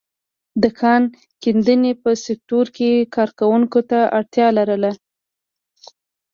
د کان کیندنې په سکتور کې کارګرو ته اړتیا لرله.